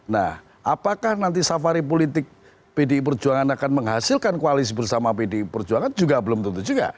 nah apakah nanti safari politik pdi perjuangan akan menghasilkan koalisi bersama pdi perjuangan juga belum tentu juga